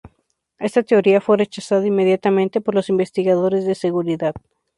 Esta teoría fue rechazada inmediatamente por los investigadores de seguridad.